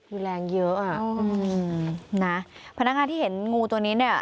แรงเยอะอ่ะอืมนะพนักงานที่เห็นงูตัวนี้เนี่ย